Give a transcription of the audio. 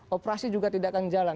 operasi juga tidak akan jalan